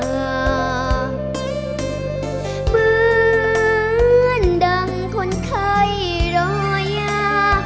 เหมือนดังคนไข้รอยา